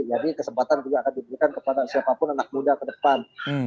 jadi kesempatan juga akan diberikan kepada siapapun anak muda ke depan